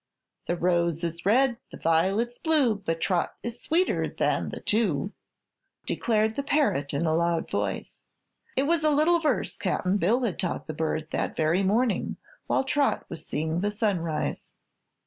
"The rose is red, the violet's blue, But Trot is sweeter than the two!" declared the parrot in a loud voice. It was a little verse Cap'n Bill had taught the bird that very morning, while Trot was seeing the sun rise.